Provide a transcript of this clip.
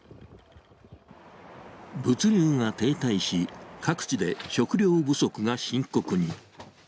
物流が停滞し、各地で食料不足が深刻に。